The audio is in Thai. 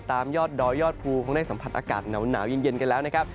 ยอดดอยยอดภูคงได้สัมผัสอากาศหนาวเย็นกันแล้วนะครับ